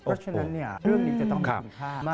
เพราะฉะนั้นเรื่องนี้จะต้องมีคุณค่ามาก